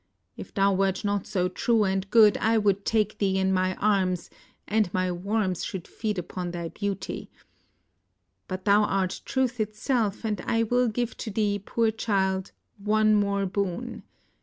If thou wert not so true and good, I would take thee in my arms, and my worms should feed upon thy beauty; but thou art truth itself, and I wiU give to thee, poor child, one more boon.